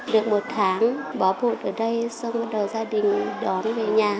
được một tháng bỏ bột ở đây xong bắt đầu gia đình đón về nhà